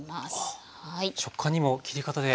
あ食感にも切り方で。